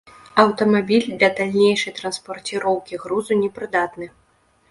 Аўтамабіль для далейшай транспарціроўкі грузу непрыдатны.